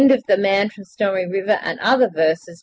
] THE MAN FROM SNOWY RIVER, AND OTHER VERSES.